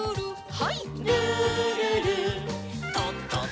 はい。